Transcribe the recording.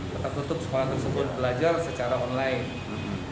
tetap tutup sekolah tersebut belajar secara online